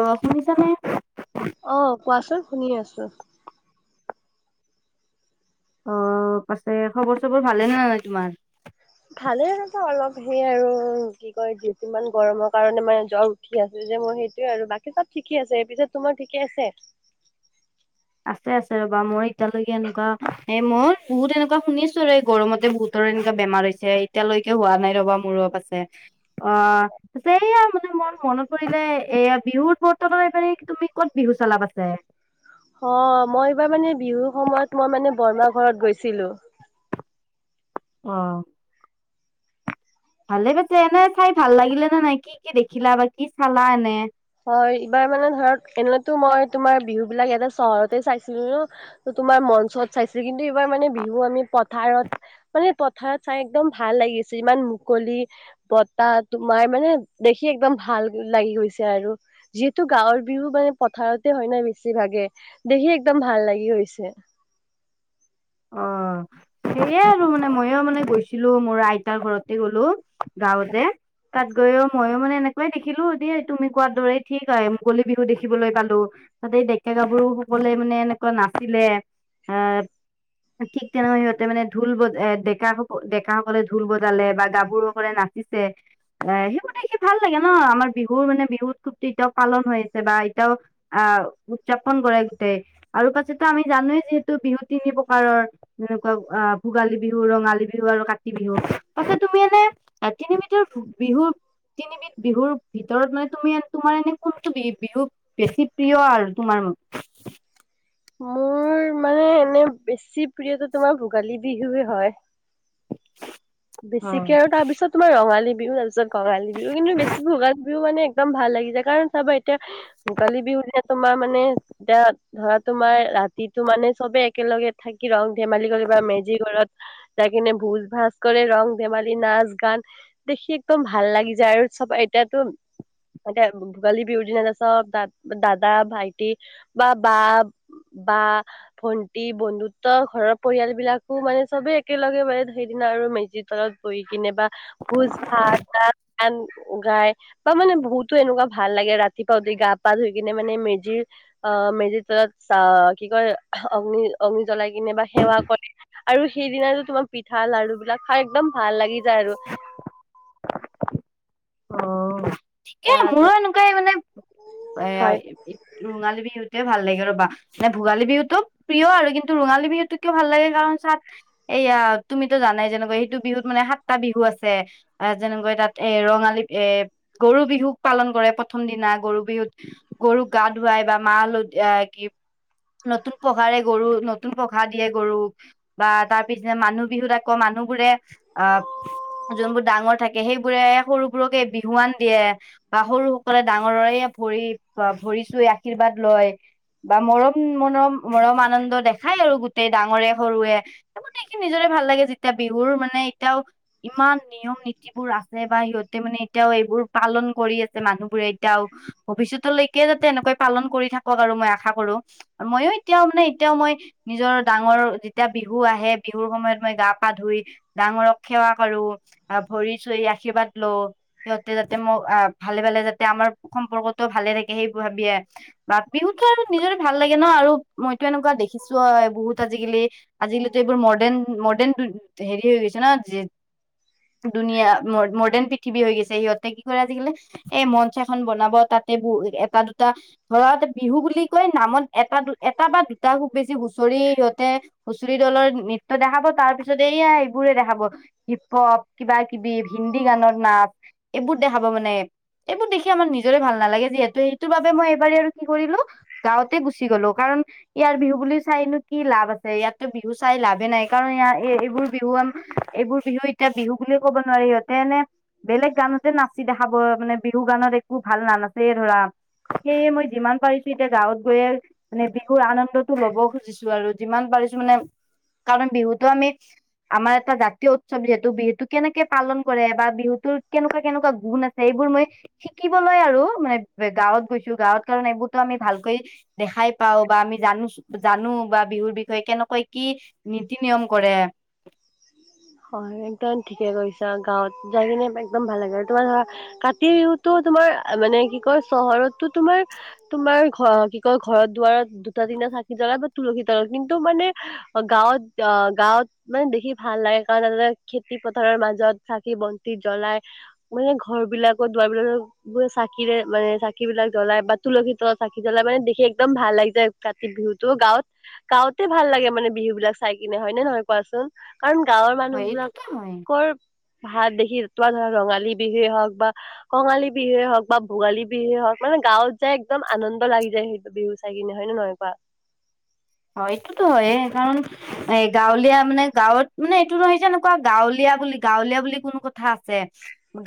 অ শুনিছান অ কোৱাচোন শুনি আছো। অ পাছে খবৰ চবৰ ভালে নহ নয় তোমাৰ। ভালেই এনেকোৱা অলপ সেইয় আৰু কি কয় যিছিমান গৰমৰ কাৰণে মানে জৰ- উঠি আছে যে মোৰ সেইটোৱে আৰু বাকী চব ঠিকে আছে সেই পিছত তোমাৰ ঠিকে আছে। আছে আছে ৰবা মই এতিালৈকে এনেকুৱা এ মই বহুত এনেকুৱা শুনিছো আৰু এই গৰমতে বহুত- ডৰ এনেকা বেমাৰ হৈছে এতিয়ালৈকে হোৱা নাই ৰবা মোৰপ আছে। অ ত এইয়া মানে মন মনত পৰিলে এয়া বিহুৰত উপৰত তোমাৰ এইফালে তুমি কত বিহু কলাপ আছে। অ মই এইবাৰ মানে বিহুৰ সময়ত মই মানে বৰমা, ঘৰত গৈছিলো। অ ভালে পাইছে এনে চাই ভাল লাগিলে নে নাই কি কি দেখিলা বা কি চালা এনে। হয় এইবাৰ মানে ধৰক এনেতো মই তোমাৰ বিহু বিলাক ইয়াতে চহৰতে চাইছিলো। ন ত তোমাৰ মঞ্চত চাইছিল কিন্তু এইবাৰ মানে বিহু আমি পথাৰত মানে- কথাৰত চাই একদম ভাল লাগিছে ইমান মুকলি বতাহ তো মাৰ মানে দেখি একদম ভাল লাগি গৈছে। আৰু যিহেতু গাঁৱৰ বিহু মানে পথাৰতে হয় নাই বেছি ভাগে। দেখি একদম ভাল লাগি গৈছে। অ সেয়ে আৰু মানে মইয়ো মানে গৈছিলো মোৰ আইতাৰ ঘৰতে গ'লো গাঁৱতে- তাত গৈয়ও ময়ো মানে এনেকুৱাই দেখিলো দেই তুমি কোৱাৰ দৰে ঠিক আহ মুকলি বিহু, দেখিবলৈ পালো। আগতে ডেকা, গাভৰু, সকলে মানে এনেকুৱা নাচছিলে আহ। ঠিক তেনেকৈ সিহঁতে মানে ঢোলজ ডেকা স ডেকাসকলে ঢোল বজালে বা গাভৰুকলে নাচিছে। এ সেইবোৰ দেখি ভাল লাগে ন আমাৰ বিহুৰ মানে বিহুত খুব এতিয়াও পালন হৈ আছে। বা এতিয়াও আহ উদযাপন কৰাই গোটেই আৰু পাছতো আমি জানোৱেই যিহেতু বিহু তিনি প্ৰকাৰৰ পাৰৰ এনেকুৱা আহ ভোগালী, বিহু ৰঙালী, বিহু আৰু কাতি, বিহু তাক তুমি এনে তিনি বিধৰ বিহুৰ তিনিবিধ বিহুৰ ভিতৰত মানে তুমি তোমাৰ এনে কোনটো বি বিহু। বেছি প্ৰিয় আৰু তোমাৰ- মোৰ মানে এনে বেছি প্ৰিয়তো তোমাৰ ভোগালী, বিহুে হয়। অ বেছিকে আৰু তাৰপিছত তোমাৰ ৰঙালী বিহু তাৰপিছত ৰঙালী বিহু কিন্তু বেছি ভোগালী, বিহ বিহু মানে একদম ভাল লাগিছে কাৰণ চাবা এতিয়া ভোগালী বিহু যে তোমাৰ মানে এতিয়া ধৰা। তোমাৰ ৰাতিতটো মানে চবে একেলগে থাকি ৰক ধেমালি কৰি বা মেজি ঘৰত- তেখনে ভুজ ভাজ কৰে ৰং ধেমালি নাচ গান। দেখি একদম ভাল লাগি যায়। আৰু চব এতিয়াতো মান ভোগালী, বিহু দিনা ছব দাদা ভাইটি বা বা- বা ভন্টি বন্ধুত্ব ঘৰৰ পৰিয়াল বিলাকো মানে চবেই একেলগে ম সেইদিনা আৰু মেজিত ৰত বহি কিনে বা ভোজ ভাত গান গাই বা মানে বহুতো এনেকুৱা ভাল লাগে ৰাতিপুৱা উতি গা পা ধুই কিনে মানে মেজিৰ অ মেজিৰ তলত চ কি কয় অগ্নি অগ্নি জ্বলাই কিনে বা সেৱা কৰে আৰু সেইদিনাটোো তোমাৰ পিঠা লাৰু বিলাক খাই একদম ভাল লাগি যায় আৰু অ ঠিকেই মোৰো এনেকুৱাই মানে হয় এ ৰঙালী বিহুতেোৱে ভাল লাগে ৰবা মানে ভোগালী বিহুতটো প্ৰিয় আৰু কিন্তু ৰৰুঙালী বিহুতটো কিয় ভাল লাগে কাৰণ চাত এইয়া তুমিতো জানাই যেনেকুৱা সেইটো বিহুত মানে সাতটা বিহু আছে আহ যেনেকৈ তাত এ ৰঙালী এ গৰু বিহুক পালন কৰে প্ৰথম দিনা গৰু বিহুত গৰুক গা ধুৱাই বা মাহ হ কি নতুন পঘাৰে গৰু নতুন পঘাৰ দিয়ে গৰুক বা তাৰ পিছ মানুহ বিহুত আকৌ মানুহবোৰে অ যোনবোৰ ডাঙৰ থাকে সেইবোৰে সৰুবোৰকে বিহুৱান দিয়ে বা সৰু সকলে ডাঙৰৰে ভৰি ভৰি চুই আশীৰ্বাদ লয় বা মৰম মৰম মৰম আনন্দ দেখাই আৰু গোটেই ডাঙৰে সৰুৱে গোতেখিনি নিজৰে ভাল লাগে যেতিয়া বিহুৰ মানে এতিয়াও ইমান নিয়ম নীতিবোৰ আছে বা সিহঁত মানে এতিয়াও এইবোৰ পালন কৰি আছে মানুহবোৰে এতিয়াও ভৱিষ্যতলৈকে যাতে এনেকৈ পালন কৰি থাকক আৰু মই আশা কৰো মইো এতিয়াও মানে এতিয়াও মই নিজৰ ডাঙৰ যেতিয়া বিহু আহে বিহুৰ সময়ত মই গা পা ধুই ডাঙৰক সেৱা কৰো বা ভৰি চৰি আশীৰ্বাদ লও সিহঁতে যাতে মোৰ আহ ভালে ভালে যাতে আমাৰ সম্পৰ্কটো ভালে থাকে সেই ভাবিয়ে মাঘ বিহুতো আৰু নিজৰে ভাল লাগে ন আৰু মইতো এনেকুৱা দেখিছো বহুত আজিকালি আজিকালিতো এইবোৰ মডাৰণ মডাৰ্ণ হেৰি হৈ গৈছে ন ধুনীয়া মডাৰ্ণ পৃথিৱী হৈ গৈছে সিহঁতে কি কৰে আজিকালি এ মঞ্চাখনন বনাব তাতে ব এটা দুটা ধৰ বিহু বুলি কৈ নামত এটা দু এটা বা দুটা খুব বেছি হুঁচৰি সিহঁতে হুঁচৰি দলৰ নৃত্য দেখাব তাৰ পিছত এইয়া এইবোৰে দেখাব হিপ হপ কিবা কিবি হিন্দী গানৰ নাচ এইবোৰ দেখাব মানে এইবোৰ দেখি আমাৰ নিজৰে ভাল নালাগে যিহেতু সেইটোৰ বাবে মই এইবাৰ আৰু কি কৰিলো গাঁৱতে গুচি গলো কাৰণ ইয়াৰ বিহু বুলি চাইনো কি লাভ আছে ইয়াতো বিহু চাই লাভে নাই কাৰণ ইয়াৰ এইবোৰ বিহু এইবোৰ বিহু এতিয়া বিহু বুলিয়ে ক'ব নোৱাৰি সিহঁতে এনে বেলেগ গানতে নাচি দেখাব, মানে বিহু গানত একো ভাল নানাচে ধৰা। সেয়ে মই যিমান পাৰিছো, এতিয়া গাঁৱত গৈয়ে মানে বিহুৰ আনন্দতটো ল'ব খুজিছো আৰু। যিমান পাৰিছো মানে, কাৰণ বিহুতো আমি আমাৰ এটা জাতীয় উৎসৱ যিহেতু বিহুতটো। কেনেকে পালন কৰে বা বিহুত তোৰ কেনেকুৱা-কেনেকুৱা গুণ আছে এইবোৰ মই শিকিবলৈ আৰু মানে, গাঁৱত গৈছো, গাঁৱত কাৰণ এইবোৰতো আমি ভালকৈ দেখাই পাও বা আমি জানো, জানো বা বিহুৰ বিষয়ে কেনেকৈ কি নীতি নিয়ম কৰে। হয় একদম ঠিকে কৰিছা গাঁৱত যাই কিনে একদম ভাল লাগে আৰু তোমাৰ ধৰা কাতি বিহুতো তোমাৰ মানে কি কয় চহৰতো তোমাৰ তোমাৰ ঘ কি কয় ঘৰত দুৱাৰত দুটা তিনা চাকি জ্বলা বা তুলসী তলত কিন্তু মানে অ', গাঁৱত, অ', গাঁৱত মানে দেখি ভাল লাগে কাৰণ তাতে খেতি পথাৰৰ মাজত চাকি বন্তি জ্বলাই মানে ঘৰ বিলাকৰ, দুৱ বিলাক বোৰ চাকিৰে, মানে চাকি বিলাক জ্বলাই বা তুলসী তলত চাকি জ্বলাই, মানে দেখি একদম ভাল লাগি যায়। কাতি বিহুতো গাঁৱত, গাওঁতে ভাল লাগে মানে বিহু বিলাক চাই কিনে হয়নে নহয় কোৱাচোন? কাৰণ গাঁৱৰ হয় এইটোতো হয় মানুহবিলাকৰ ভাত দেখি, তোমাৰ ধৰা ৰঙালী বিহুৱে হওক বা কঙালী বিহুৱে হওক বা ভোগালী বিহুৱে হওক, মানে গাঁৱত যাই একদম আনন্দ লাগি যায় সেইটো বিহু চাই কিনে, হয়নে নহয় কোৱা?। হয়, এইটোতো হয়ে, কাৰণ এ গাঁৱলীয়া মানে, গাঁৱত মানে এইটো নহয় যে, এনেকুৱা গাঁৱলীয়া বুলি, গাঁৱলীয়া বুলি কোনো কথা আছে।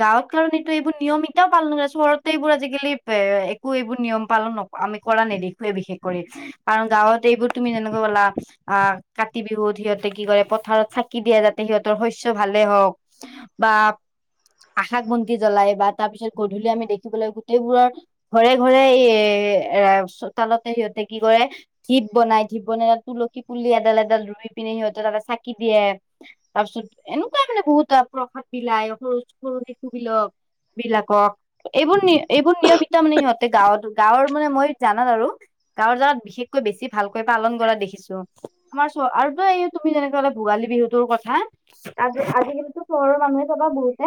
গাঁৱত কাৰণ, এইটো এইবোৰ নিয়ম এতিটাও পালন কৰে। চহৰতে এইবোৰ আজিকালি, এ-একো এইবোৰ নিয়ম পালন নক আমি কৰা নেদেখুৱে বিশেষ কৰি কাৰণ, গাঁৱত এইবোৰ তুমি যেনেকৈ কলা আহ, কাতি বিহুত সিহঁতে কি কৰে, পথাৰত চাকি দিয়ে যাতে, সিহঁতৰ শস্য ভালেই হওঁক। বা, আশাক বন্তি জ্বলাই, বা তাৰ পিছত গধূলি আমি দেখিবলৈ গোটেইবোৰৰ ঘৰে-ঘৰে, এ, চোতালতে সিহঁতে কি কৰে, ধিপ বনাই। ধিপ বনাই তাত, তুলসী পুলি এডাল-এডাল ৰুই পিনে, সিহঁতে তাতে চাকি দিয়ে। তাৰ পিছত, এনেকুৱাই মানে বহুত প্ৰসাদ বিলাই, সৰু-সৰু শিশুবিলক বিলাকক, এইবোৰ-এইবোৰ নিয়ম এতিয়াও মানে সিহঁতে গাঁৱত, গাঁৱৰ মানে মই জানাত আৰু গাঁৱৰ জানাত বিশেষকৈ বেছি ভাল পালন কৰা দেখিছো। আমাৰ চোৱা, আৰু তই এ তুমি যেনেকে কলা ভোগালী বিহুতোৰ কথা তাত আজিকালিতো চহৰৰ মানুহে চবা বহুতে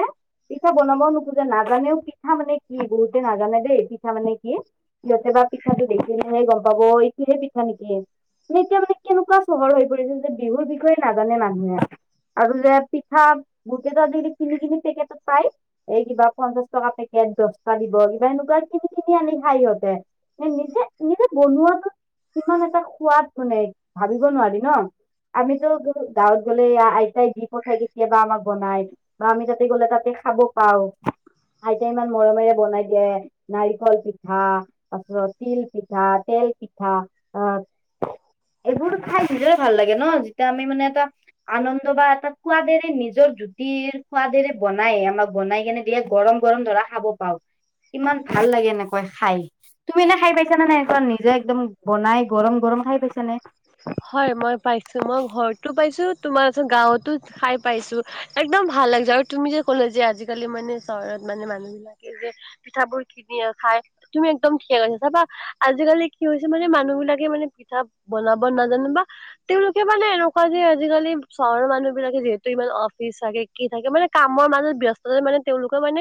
পিঠা বনাবও নোখোজে, নাজানেও পিঠা মানে কি, বহুতে নাজানে দেই পিঠা মানে কি। ইহতে বা পিঠাটো দেখিলেহে গম পাব, এইটো হে পিঠা নেকি। এই, এতিয়া মানে কেনেকুৱা চহৰ হৈ পৰিছে যে, বিহুৰ বিষয়ে নাজানে মানুহে। আৰু যে পিঠা, বহুতে ত আজিকালি কিনি কিনি পেকেটত পায়। এই কিবা পঞ্চাশ টকা পেকেট, দহ টা দিব। কিবা এনেকুৱা, কিনি-কিনি আনি খায় সিহঁতে। সেই নিজে-নিজে বনোৱাতো কিমান এটা সোৱাদ মানে, ভাবিব নোৱাৰি ন'। আমিতো গাঁৱত গ'লে, আইতাই দি পঠাই দিছে কেতিয়াবা আমাক বনাই। বা আমি তাতে গ'লে তাতে খাব পাও, আইতাই ইমান মৰমেৰে বনাই দিয়ে। নাৰিকল পিঠা, তাৰপাছত তিল পিঠা, তেল পিঠা, আ এইবোৰো খাই নিজে ভাল লাগে ন' যেতিয়া আমি মানে এটা আনন্দ বা এটা খোৱাদেৰে নিজৰ জুতিৰ, খোৱাদেৰে বনায়, আমাক বনাই কেনে দে গৰম-গৰম ধৰা খাব পাও, কিমান ভাল লাগে এনেকৈ খাই। তুমি এনে খাই পাইছা নে নাই, নিজে একদম বনাই গৰম-গৰম খাই পাইছা নে? হয়, মই পাইছো। মই ঘৰতো পাইছো, তোমাৰ চোন গাঁৱতো খাই পাইছো। একদম ভাল লাগি যায়, আৰু তুমি যে ক'ল যে, আজিকালি মানে চহৰত, মানে মানুহ বিলাকে যে পিঠা বোৰ কিনি খাই। তুমি একদম ঠিকে কৈছা চাবা, আজিকালি কি হৈছে মানে, মানুহ বিলাকে মানে পিঠা বনাব নাজানে বা তেওঁলোকে মানে এনেকুৱা যে আজিকালি চহৰৰ মানুহ বিলাকে যিহেতু ইমান অফিচ চাগে কি থাকে মানে কামৰ মাজত ব্যস্তত মানে তেওঁলোকে মানে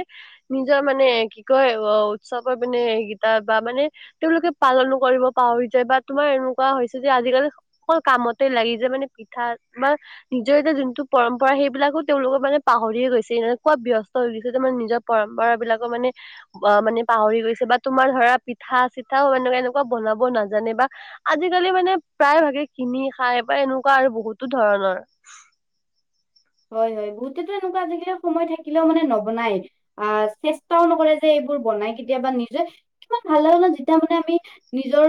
নিজৰ মানে কি কয় অ উৎসৱৰ মানে এইকেইটা বা মানে তেওঁলোকে পালনো কৰিব পাহৰি যায় বা তোমাৰ এনেকুৱা হৈছে যে আজিকালি অকল কামতে লাগি যে মানে পিঠা বা, নিজৰ এতিয়া যোনটো পৰম্পৰা সেইবিলাকো তেওঁলোকৰ মানে পাহৰিয়ে গৈছে এনেকুৱা ব্যস্ত হৈ গৈছে যে মানে নিজৰ। পৰম্পৰা বিলাকো মানে। অ মানে পাহৰি গৈছে বা তোমাৰ ধৰা পিঠা চিঠাও এনেকুৱা-এনেকুৱা বনাব নাজানে বা আজিকালি মানে প্ৰায় ভাগে কিনি খাই বা এনেকুৱা আৰু বহুতো ধৰণৰ। হয় হয় বহুতেতো এনেকুৱা আজিকালি সময় থাকিলেও মানে নবনাই। আহ চেষ্টাও নকৰে যে এইবোৰ বনাই কেতিয়াবা নিজে কিমান ভাল ন যেতিয়া মানে আমি। নিজৰ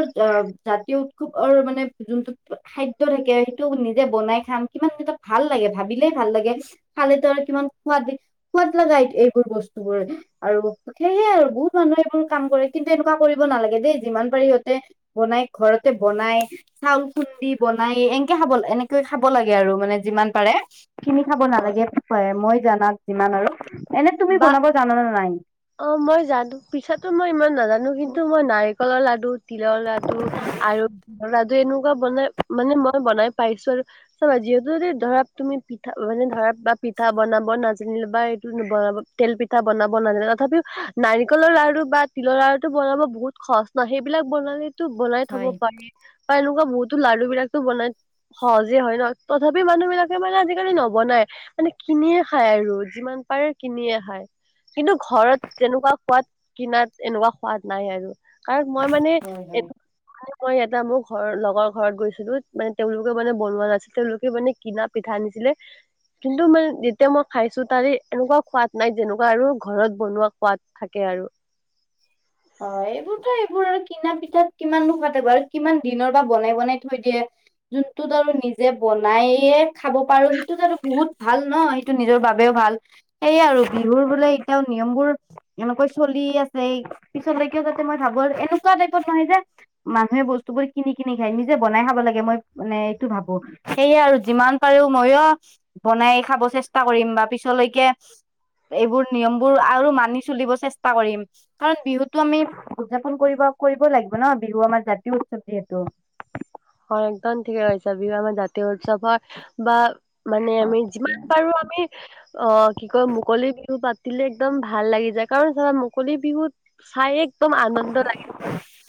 জাতীয় উৎসৱৰ মানে যোনটো খাদ্য থাকে সেইটো নিজে বনাই খাম। কিমান এটা ভাল লাগে ভাবিলে ভাল লাগে খালে টো আৰু কিমান সোৱাদ। সোৱাট লগাএইবোৰ বস্তুবোৰ। আৰু সেয়হে আৰু বহুত মানুহে এইবোৰ কাম কৰে কিন্তু এনেকুৱা কৰিব নালাগে দেই যিমান পাৰি সিহঁতে। বনাই ঘৰতে বনাই। চাউল খুন্দি বনাই এনেকে খাব এনেকে খাব লাগে আৰু মানে যিমান পাৰে। কিনি খাব হয় নালাগে মই জানাত যিমান আৰু এনে তুমি বা বনাব জানান নে নাই। অ মই জানো পিছতো মই ইমান নাজানো কিন্তু মই নাই। নাৰিকলৰ লাডু তিলৰ লাডু আৰু লাডু এনেকুৱা বনাই মানে মই বনাই পাইছো আৰু চাবা যিহেতু ধৰা তুমি পিঠা মানে ধৰা বা পিঠা বনাব নাজানিলে বা এইটোবনাব, তেল পিঠা বনাবন দিল তথাপিও নাৰিকলৰ লাৰু বা তিলৰ লাৰুটো বনাব বহুত সহজ নহয় সেইবিলাক বনালে, বনাই থব হয় পাৰি বা এনেকুৱা বহুতো লাৰু বিলাকো বনাই। সহজে হয় ন তথাপি মানুহ বিলাকে মানে আজিকালি নবনাই। মানে কিনিয়ে খায় আৰু যিমান পাৰে কিনিয়ে খায়। কিন্তু ঘৰত কেনেকুৱা সোৱাদ কিনাত এনেকুৱা সোৱাদ নাই আৰু কাৰণ মই মানে হয় হয় এটো, মানে মই এটা মোৰ ঘৰৰ লগৰ ঘৰত গৈছিলো মানে তেওঁলোকে মানে বনোৱা নাছিল তেওঁলোকে মানে। কিনা পিঠা আনিছিলে কিন্তু মানে যেতিয়া মই খাইছো তাৰে এনেকুৱা খোৱাদ নাই যেনেকুৱা আৰু ঘৰত বনোৱা সোৱাদ থাকে আৰু হয় এইবোৰতো এইবোৰ আৰু কিনা পিঠাত কিমান নোখা থব আৰু কিমান দিনৰ পৰা বনাই বনাই থৈ দিয়ে। যোনটোত আৰু নিজে বনাইে খাব পাৰো সেইটোত আৰু বহুত ভাল নহ, টো নিজৰ বাবেও ভাল। সেয়াই আৰু বিহুৰ বোলে এতিয়াও নিয়মবোৰ এনেকৈ চলি আছে। পিছত থিও যাতে মই ধাবৰ এনেকুৱা টাইপত নহয় যে। মানুহে বস্তু বোৰ কিনি কিনি খাই নিজে বনাই খাব লাগে মই মানে এইটো ভাবো। সেয়ে আৰু যিমান পাৰো ময়ো বনাই খাব চেষ্টা কৰিম বা পিছলৈকে, এইবোৰ নিয়ম বোৰ আৰু মানি চলিব চেষ্টা কৰিম কাৰণ বিহুত, টো আমি উদযাপন কৰিব কৰিব লাগিব ন বিহু আমাৰ জাতীয় উৎসৱ যিহেতু। অ একদম ঠিকেছে বিহু আমাৰ জাতীয় উৎসৱৰ বা, মানে আমি যিমান হয় পাৰো আমি অ কি কয় মুকলি বিহু পাত, দিলে একদম ভাল লাগি যায় কাৰণ চাবা মুকলি বিহুত, চাই একদম আনন্দ লাগিব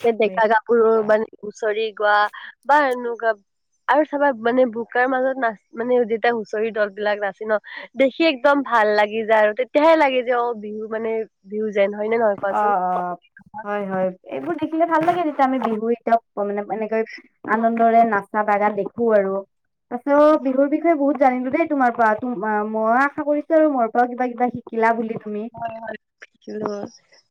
যে ডেকা গাভৰু মানে হুচৰি গোৱা। বা এনেকুৱা, আৰু চাবা মানে বোকাৰ মাজত নাচ মানে যেতিয়া হুঁচৰি দল বিলাক নাচে ন। দেখি একদম ভাল লাগি যায় আৰু তেতিয়াহে লাগে যে অ বিহু মানে, বিহু যেন হয় নে নহয় অ কোৱাচোন। অ হয় হয় এইবোৰ দেখিলে ভাল লাগে তেতিয়া আমি বিহু এতিয়াও মানে এনেকৈ আনন্দৰে নাচা বাগা দেখোঁ আৰু। পাছেও, বিহুৰ বিষয়ে বহুত জানিলো দেই তোমাৰ পৰা, মোৰো আশা কৰিছো আৰু মোৰ পৰাও কিবা কিবা শি কিলা বুলি তুমি। হয়, হয়, শিকিলোঁ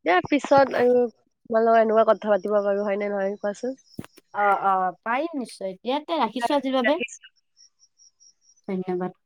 দে পিছত আৰু তোমাৰ লগত এনেকুৱা কথা পাতিব পাৰোঁ হয় নে নহয় কোৱাচোন? অহ' অহ' পাৰিম নিশ্চয় এতিয়া কে ৰাখিছো আজিৰ বাবে, ধন্যবাদ।